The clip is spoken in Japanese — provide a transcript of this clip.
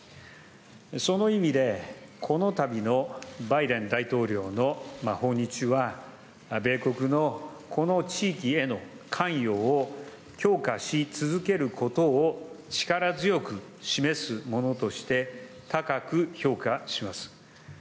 その意味で、このたびのバイデン大統領の訪日は、米国のこの地域への関与を強化し続けることを力強く示すものとして、高く評価します。